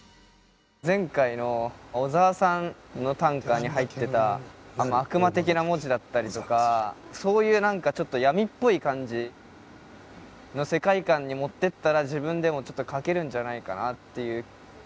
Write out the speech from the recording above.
前回の小沢さんの短歌に入ってた悪魔的な文字だったりとかそういう何かちょっとに持ってったら自分でもちょっと書けるんじゃないかなっていう気がして。